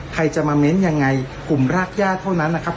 ใครจะมาเม้นยังไงกลุ่มรากย่าเท่านั้นนะครับ